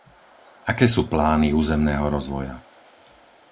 Aké sú plány územného rozvoja?